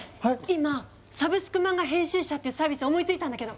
今「サブスクマンガ編集者」っていうサービス思いついたんだけど。